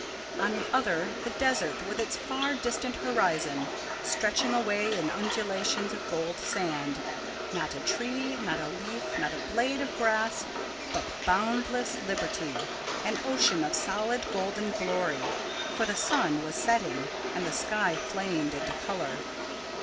On the other, the Desert, with its far distant horizon, stretching away in undulations of golden sand; not a tree, not a leaf, not a blade of grass, but boundless liberty, an ocean of solid golden glory. For the sun was setting, and the sky flamed into colour.